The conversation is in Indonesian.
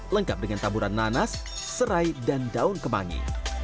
lengkap dengan taburan nanas serai dan daun kemangi